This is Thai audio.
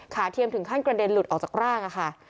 เทียมถึงขั้นกระเด็นหลุดออกจากร่างค่ะ